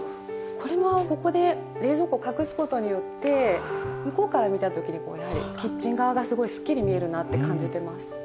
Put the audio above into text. これもここで冷蔵庫隠す事によって向こうから見た時にやはりキッチン側がすごいすっきり見えるなって感じてます。